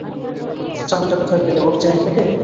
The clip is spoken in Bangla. চাবিটা কোথায় পেলে, ওর চেন থেকে?